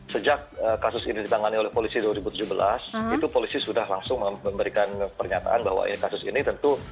sejak kasus ini ditangani oleh polisi dua ribu tujuh belas itu polisi sudah langsung memberikan pernyataan bahwa ini kasus ini tentu